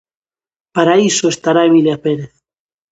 Para iso estará Emilia Pérez.